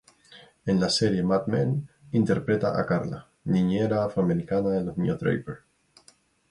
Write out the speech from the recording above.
En la serie "Mad Men" interpreta a Carla, niñera afroamericana de los niños Draper.